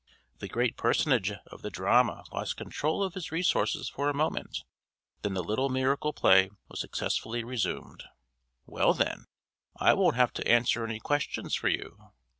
The great personage of the drama lost control of his resources for a moment. Then the little miracle play was successfully resumed: "Well, then, I won't have to answer any questions for you!"